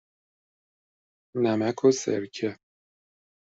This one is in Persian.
نمک و سرکه.